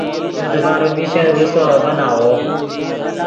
نے دیبارو میشن روسو اڤن آغو